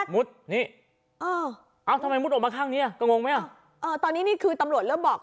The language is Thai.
มุดนี่เออเอ้าทำไมมุดออกมาข้างเนี้ยก็งงไหมอ่ะเออตอนนี้นี่คือตำรวจเริ่มบอก